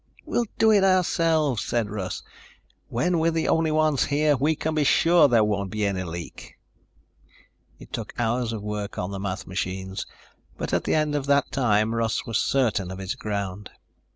"We'll do it ourselves," said Russ. "When we're the only ones here, we can be sure there won't be any leak." It took hours of work on the math machines, but at the end of that time Russ was certain of his ground.